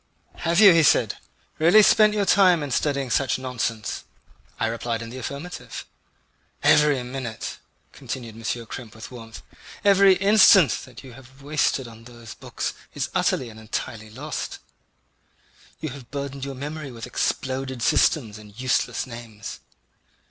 "Have you," he said, "really spent your time in studying such nonsense?" I replied in the affirmative. "Every minute," continued M. Krempe with warmth, "every instant that you have wasted on those books is utterly and entirely lost. You have burdened your memory with exploded systems and useless names.